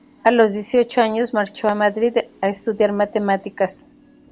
A los dieciocho años marchó a Madrid a estudiar matemáticas.